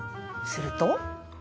すると。